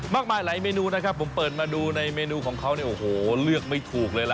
มากมายหลายเมนูนะครับผมเปิดมาดูในเมนูของเขาเนี่ยโอ้โหเลือกไม่ถูกเลยล่ะ